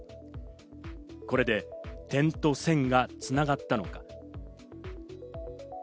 これで、点と線が繋がったのか。